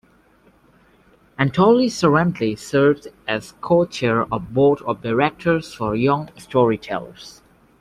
Antholis currently serves as co-chair of board of directors for Young Storytellers.